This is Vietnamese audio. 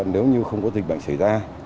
nếu như không có dịch bệnh xảy ra